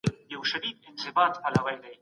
تا په سختو ورځو کي زما مرسته کړې ده.